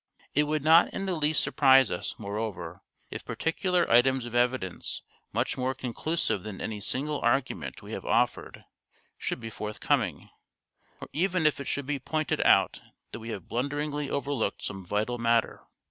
It would not in the least surprise us, moreover, if particular items of evidence much more conclusive than any single argument we have offered, should be forthcoming, or even if it should be pointed out that we have blunderingly overlooked some vital matter.